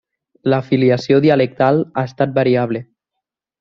La filiació dialectal ha estat variable.